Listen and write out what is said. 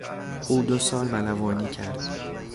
او دو سال ملوانی کرد.